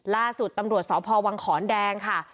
ล่าสุดตำรวจสพวังขอนแดงค่ะ